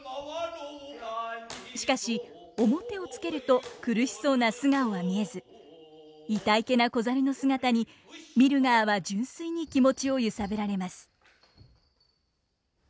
しかし面をつけると苦しそうな素顔は見えずいたいけな子猿の姿に見る側は純粋に気持ちを揺さぶられます。